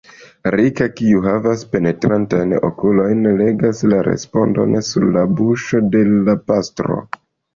Rika, kiu havas penetrantajn okulojn, legas la respondon sur la buŝo de la pastro.